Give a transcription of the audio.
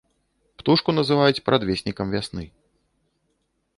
Птушку называюць прадвеснікам вясны.